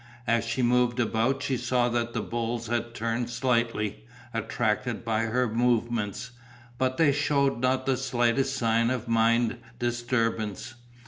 As she moved about she saw that the bulls had turned slightly, attracted by her movements, but they shewed not the slightest sign of mind disturbance.